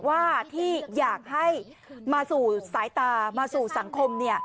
ว่าที่อยากให้มาสู่สายตามาสู่สังคม